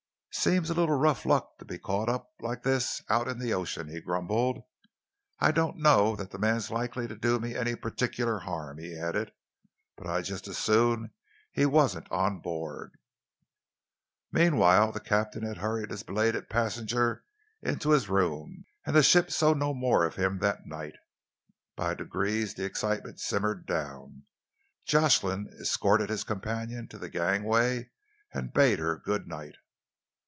"Seems a little rough luck to be caught up like this out in the ocean," he grumbled. "I don't know that the man's likely to do me any particular harm," he added, "but I'd just as soon he wasn't on board." Meanwhile, the captain had hurried his belated passenger into his room, and the ship saw no more of him that night. By degrees the excitement simmered down. Jocelyn escorted his companion to the gangway and bade her good night.